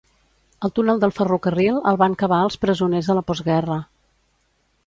El túnel del ferrocarril el van cavar els presoners a la postguerra.